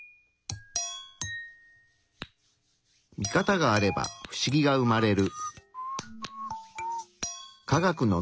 ミカタがあれば不思議が生まれる。